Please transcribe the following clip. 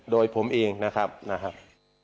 โดยผมเองนะครับ